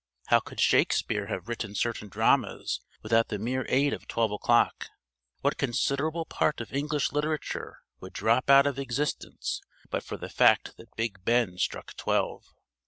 How could Shakespeare have written certain dramas without the mere aid of twelve o'clock? What considerable part of English literature would drop out of existence but for the fact that Big Ben struck twelve!